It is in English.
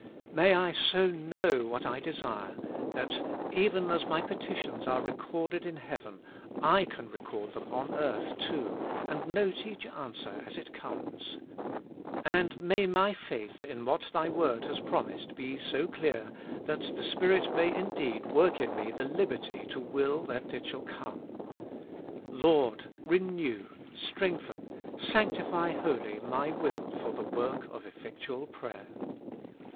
May I so know what I desire that, even as my petitions are recorded in heaven, I can record them on earth too, and note each answer as it comes. And may my faith in what 83 With Christ in the School of Prayer. Thy Word has promised be so clear that the Spirit may indeed work in me the liberty to will that it shall come. Lord ! renew, strengthen, sanctify wholly my will for the work of effectual prayer.